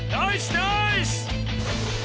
ナーイス！